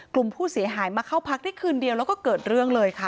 กลุ่มผู้เสียหายมาเข้าพักได้คืนเดียวแล้วก็เกิดเรื่องเลยค่ะ